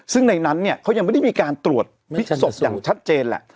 ซึ่งในนั้นเนี่ยเขายังไม่ได้มีการตรวจพิษศพอย่างชัดเจนแหละ